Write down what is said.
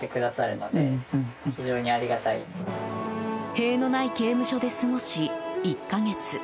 塀のない刑務所で過ごし１か月。